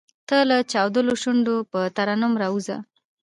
تۀ لۀ چاودلو شونډو پۀ ترنم راووځه !